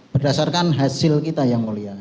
berdasarkan hasil kita yang mulia